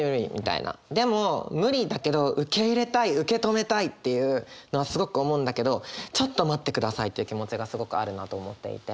でも無理だけど受け入れたい受け止めたいっていうのはすごく思うんだけどちょっと待ってくださいという気持ちがすごくあるなと思っていて。